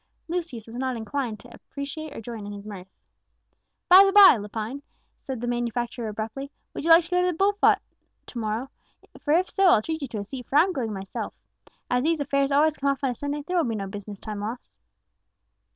Lucius was not inclined to appreciate or join in his mirth. "By the by, Lepine," said the manufacturer abruptly, "would you like to go to the bull fight to morrow? for if so, I'll treat you to a seat, as I'm going myself. As these affairs always come off on a Sunday, there will be no business time lost."